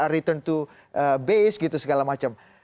return to base gitu segala macam